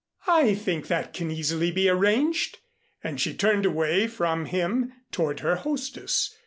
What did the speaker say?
I think that can easily be arranged," and she turned away from him toward her hostess.